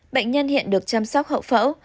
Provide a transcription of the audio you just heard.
bệnh nhân hiện được chăm sóc hậu phẫu